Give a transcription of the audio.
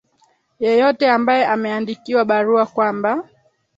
yeyote ambaye ameandikiwa barua kwamba